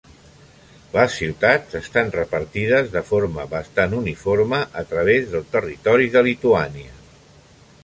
Les ciutats estan repartides de forma bastant uniforme a través del territori de Lituània.